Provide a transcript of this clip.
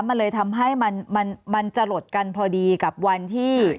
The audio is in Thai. มันเลยทำให้มันจะหลดกันพอดีกับวันที่